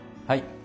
はい。